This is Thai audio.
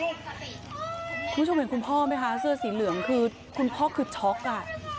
คุณผู้ชมเห็นคุณพ่อไหมคะเสื้อสีเหลืองคือคุณพ่อคือช็อกอ่ะ